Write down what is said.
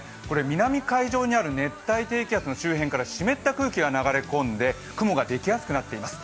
南海上にある熱帯低気圧の周辺から湿った空気が流れ込んで、雲ができやすくなっています。